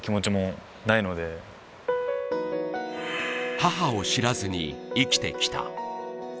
母を知らずに生きてきた。